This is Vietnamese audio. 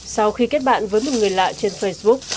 sau khi kết bạn với một người lạ trên facebook